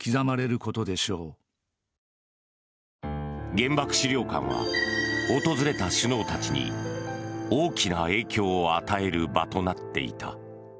原爆資料館は訪れた首脳たちに大きな影響を与える場となっていた。